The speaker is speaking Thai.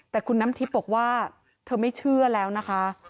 แต่คุณน้ำทิพย์บอกว่าเธอไม่เชื่อแล้วนะคะ